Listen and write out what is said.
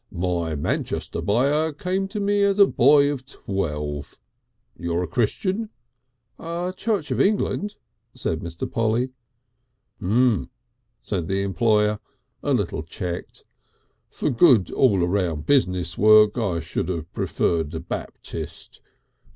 "My Manchester buyer came to me as a boy of twelve. You're a Christian?" "Church of England," said Mr. Polly. "H'm," said the employer a little checked. "For good all round business work I should have preferred a Baptist.